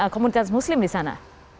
pemerintah muslim di sana